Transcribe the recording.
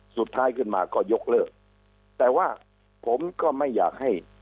สุดท้ายขึ้นมาก็ยกเลิกแต่ว่าผมก็ไม่อยากให้